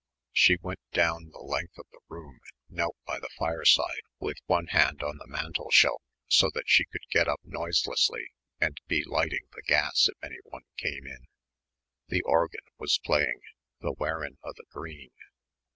She went down the length of the room and knelt by the fireside with one hand on the mantel shelf so that she could get up noiselessly and be lighting the gas if anyone came in. The organ was playing "The Wearin' o' the Green."